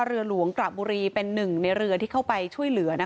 เรือหลวงกระบุรีเป็นหนึ่งในเรือที่เข้าไปช่วยเหลือ